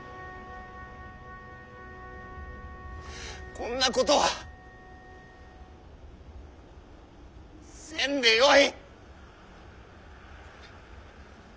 こんなことはせんでよい！